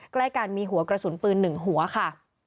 ใกล้กันมีหัวกระสุนปืน๑หัวค่ะ